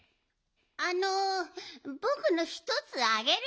あのぼくのひとつあげるよ。